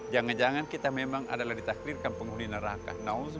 jangan jangan kita memang adalah ditakdirkan penghuni neraka